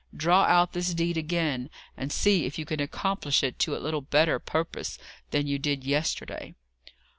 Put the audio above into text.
Draw out this deed again, and see if you can accomplish it to a little better purpose than you did yesterday."